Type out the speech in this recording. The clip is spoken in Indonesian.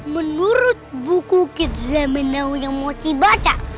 menurut buku kit zamenau yang moci baca